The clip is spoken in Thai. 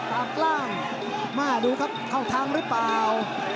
ปากล่างมาดูครับเข้าทางหรือเปล่า